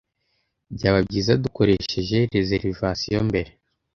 Byaba byiza dukoresheje reservation mbere.